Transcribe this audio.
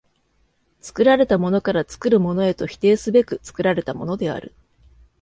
作られたものから作るものへと否定すべく作られたものである。